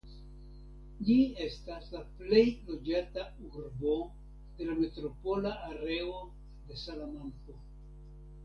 Ĝi estas la plej loĝata urbo de la metropola areo de Salamanko.